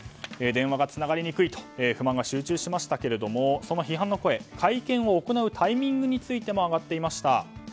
電話がつながりにくいと不満が集中しましたがその批判の声、会見を行うタイミングについても上がっていました。